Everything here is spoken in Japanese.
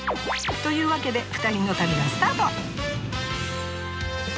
というわけで２人の旅がスタート。